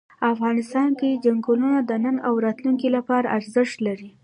افغانستان کې چنګلونه د نن او راتلونکي لپاره ارزښت لري.